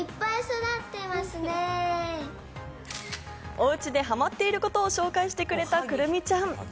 おうちではまっていることを紹介してくれた来泉ちゃん。